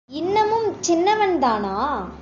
இன்னமும் சின்னவன் தானா?